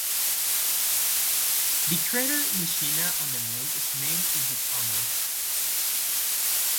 The crater Nishina on the Moon is named in his honor.